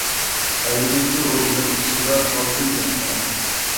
ئايلىنىپتۇ ئۇ بېلىق، سۇدا ئالتۇن بېلىققا.